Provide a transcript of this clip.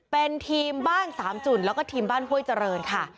เป็นทีมบ้านสามจุดแล้วก็ทีมบ้านห้วยเจริญค่ะ